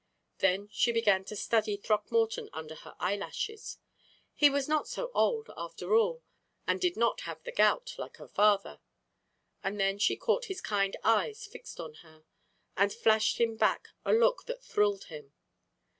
Then she began to study Throckmorton under her eyelashes. He was not so old, after all, and did not have the gout, like her father. And then she caught his kind eyes fixed on her, and flashed him back a look that thrilled him.